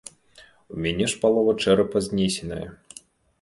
У мяне ж палова чэрапа знесеная.